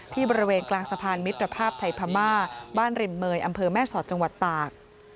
ที่บริเวณกลางสะพานมิตรภาพไทยพม่าบ้านริมเมย์อำเภอแม่สอดจังหวัดตาก